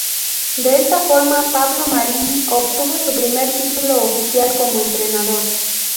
De esta forma Pablo Marini obtuvo su primer título oficial como entrenador.